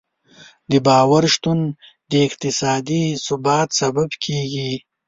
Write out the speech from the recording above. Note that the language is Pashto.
د باور شتون د اقتصادي ثبات سبب کېږي.